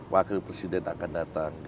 wakil presiden akan datang